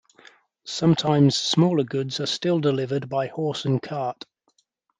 Sometimes smaller goods are still delivered by horse and cart.